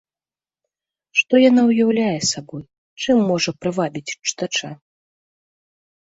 Што яна ўяўляе сабой, чым можа прывабіць чытача?